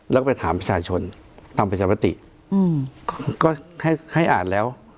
แล้วก็ไปถามประชาชนตามประชามติก็ให้อ่านแล้ว